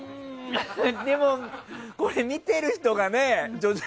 でも、これ見ている人がね叙々苑